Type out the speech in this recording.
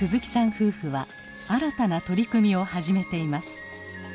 夫婦は新たな取り組みを始めています。